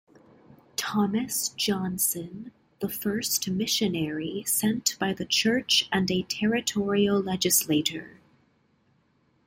Thomas Johnson, the first missionary sent by the church and a territorial legislator.